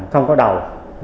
không có đầu